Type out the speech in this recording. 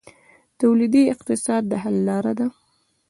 تولیدي اقتصاد د حل لاره ده